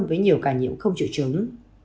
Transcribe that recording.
với nhiều ca nhiễm không trự trứng